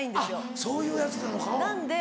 あっそういうやつなのか。